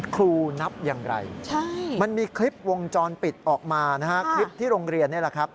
นับอย่างไรมันมีคลิปวงจรปิดออกมานะฮะคลิปที่โรงเรียนนี่แหละครับ